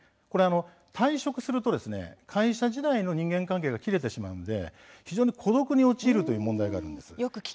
退職すると会社時代の人間関係が切れてしまって孤独に陥るという問題があるんです。